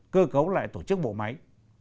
cơ cấu lại tổ chức bộ máy